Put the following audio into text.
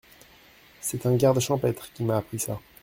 C’est un garde champêtre qui m’a appris ça.